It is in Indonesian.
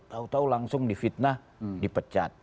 tahu tahu langsung di fitnah dipecat